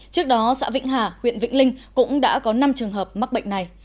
trước đó xã vĩnh hà huyện vĩnh linh cũng đã có năm trường hợp mắc bệnh này